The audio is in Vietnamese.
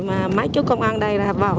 mãi chốt công an đây là vào